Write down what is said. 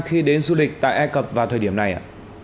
khi đến du lịch tại ai cập vào thời điểm này ạ